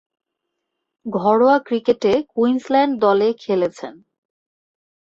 ঘরোয়া ক্রিকেটে কুইন্সল্যান্ড দলে খেলেছেন।